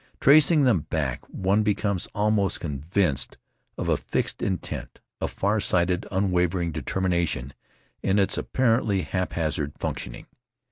Tracing them back, one becomes almost convinced of a fixed intent, a far sighted, unwavering determination in its apparently haphazard functioning.